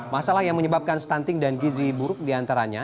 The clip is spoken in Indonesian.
masalah yang menyebabkan stunting dan gizi buruk diantaranya